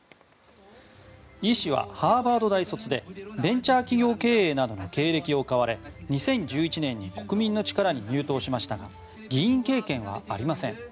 イ氏はハーバード大卒でベンチャー企業経営などの経歴を買われ２０１１年に国民の力に入党しましたが議員経験はありません。